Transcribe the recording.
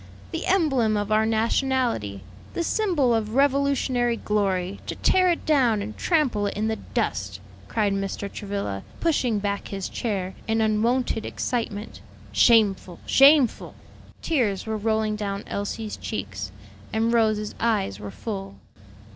the emblem of our nationality, the symbol of Revolutionary glory; to tear it down and trample it in the dust!" cried Mr. Travilla, pushing back his chair in unwonted excitement; "shameful, shameful!" Tears were rolling down Elsie's cheeks, and Rose's eyes were full.